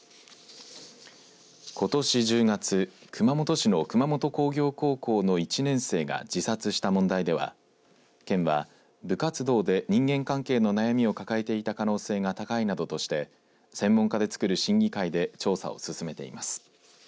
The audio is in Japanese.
ことし１０月熊本市の熊本工業高校の１年生が自殺した問題では、県は部活動で人間関係の悩みを抱えていた可能性が高いなどとして専門家でつくる審議会で調査を進めています。